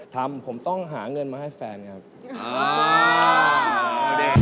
ทำผมต้องหาเงินมาให้แฟนครับ